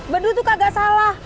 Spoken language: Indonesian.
bedu tuh kagak salah